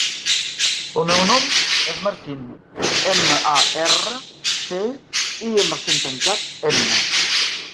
El meu nom és Martín: ema, a, erra, te, i amb accent tancat, ena.